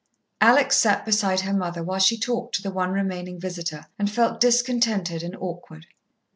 Alex sat beside her mother while she talked to the one remaining visitor, and felt discontented and awkward.